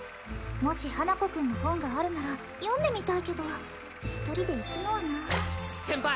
もし花子くんの本があるなら読んでみたいけど一人で行くのはな先輩